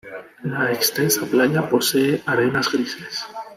La extensa playa posee arenas grises.